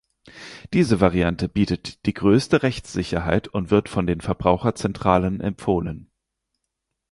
Diese Variante bietet die größte Rechtssicherheit und wird von den Verbraucherzentralen empfohlen.